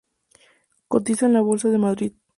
Cotiza en la Bolsa de Madrid.